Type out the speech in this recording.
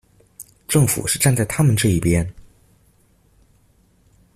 政府是站在他們這一邊